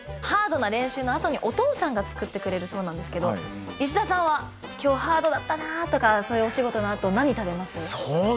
ハードな練習の後にお父さんが作ってくれるそうなんですけど石田さんは今日ハードだったなとかそういうお仕事の後何食べます？